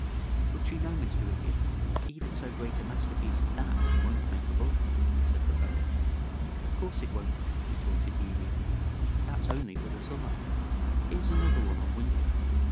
But you know, Mr. Idiot, even so great a masterpiece as that won't make a book," said the Poet. "Of course it won't," retorted the Idiot. "That's only for the summer. Here's another one on winter.